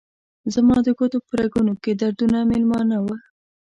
زما د ګوتو په رګونو کې دردونه میلمانه وه